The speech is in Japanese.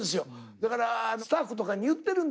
だからスタッフとかに言ってるんです。